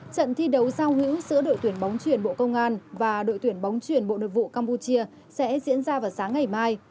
trận thi đấu giao hữu giữa đội tuyển bóng truyền bộ công an và đội tuyển bóng chuyển bộ nội vụ campuchia sẽ diễn ra vào sáng ngày mai